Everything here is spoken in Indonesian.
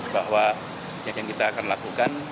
bahwa yang kita akan lakukan